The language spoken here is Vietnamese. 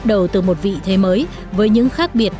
đầu từ một vị thế mới với những khác biệt